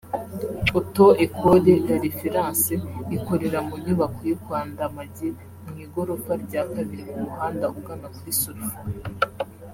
Auto Ecole Lareference ikorera mu nyubako yo kwa Ndamage mu igorofa rya kabiri ku muhanda ugana kuri Sulfo